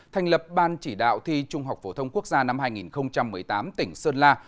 thành lập ban chỉ đạo thi trung học phổ thông quốc gia năm hai nghìn một mươi tám tỉnh sơn la